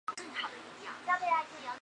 他是巴基斯坦片酬最高的男演员之一。